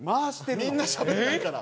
みんなしゃべんないから。